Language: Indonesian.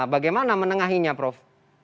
bagaimana menengahinya prof